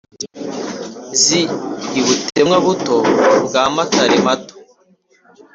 z’i butemwa-buto bwa matare-mato